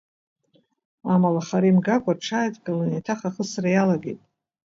Амала хара имгакәа рҽааидкыланы еиҭах ахысра иалагеит.